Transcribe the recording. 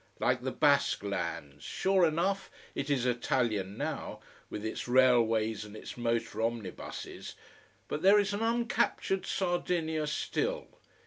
Like the Basque lands. Sure enough, it is Italian now, with its railways and its motor omnibuses. But there is an uncaptured Sardinia still.